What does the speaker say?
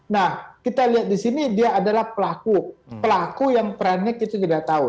nah kita lihat di sini dia adalah pelaku pelaku yang perannya itu tidak tahu